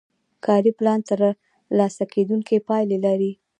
کاري پلان ترلاسه کیدونکې پایلې لري.